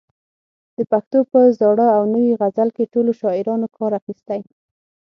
د پښتو په زاړه او نوي غزل کې ټولو شاعرانو کار اخیستی.